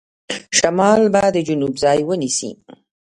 شمال به د جنوب ځای ونیسي.